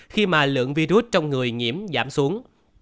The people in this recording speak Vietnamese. khi mà lượng virus trong người nhiễm giảm xuống